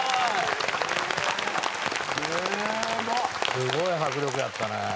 すごい迫力やったね。